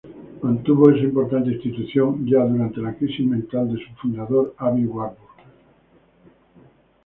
Mantuvo esa importante institución, ya durante la crisis mental de su fundador, Aby Warburg.